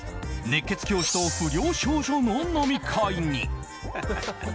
熱血教師と不良少女の飲み会に。